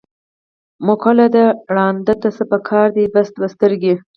مقوله ده: ړانده ته څه په کار دي، بس دوه سترګې.